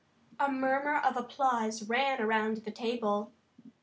A murmur of applause ran around the table.